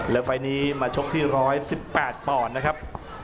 และไฟล์นี้มาชกที่๑๑๘ปอนด์นะครับ